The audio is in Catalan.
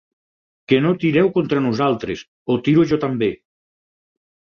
Que no tireu contra nosaltres, o tiro jo també!